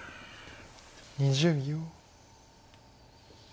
２０秒。